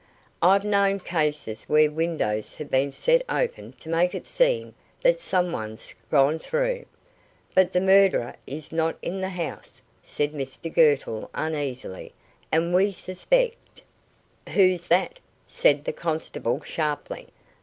"I've known cases where windows have been set open to make it seem that some one's gone through." "But the murderer is not in the house," said Mr Girtle, uneasily; "and we suspect " "Who's that?" said the constable, sharply.